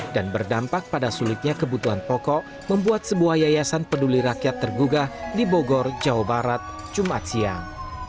dan berdampak pada sulitnya kebutuhan pokok membuat sebuah yayasan peduli rakyat tergugah di bogor jawa barat jumat siang